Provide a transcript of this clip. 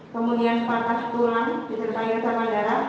kemudian patas tulang disertai resepan darah